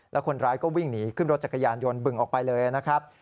แล้วคนร้ายก็วิ่งหนีขึ้นรถจักรยานยนต์บึงออกไปเลยนะครับ